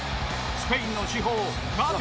スペインの至宝、ガビ。